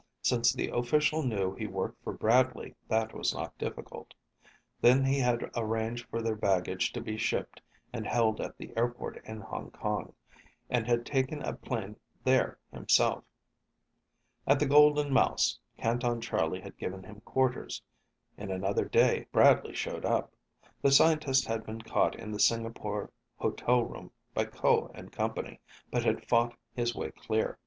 Since the official knew he worked for Bradley, that was not difficult. Then he had arranged for their baggage to be shipped and held at the airport in Hong Kong, and had taken a plane there himself. At the Golden Mouse, Canton Charlie had given him quarters. In another day, Bradley showed up. The scientist had been caught in the Singapore hotel room by Ko and company, but had fought his way clear.